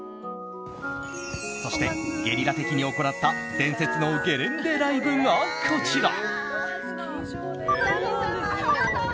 そして、ゲリラ的に行った伝説のゲレンデライブがこちら。